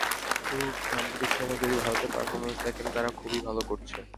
তবু সাম্প্রতিক সময়ে যদি ভারতের পারফরম্যান্স দেখেন, তারা খুবই ভালো করছে।